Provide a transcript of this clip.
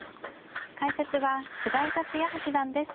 解説は菅井竜也八段です。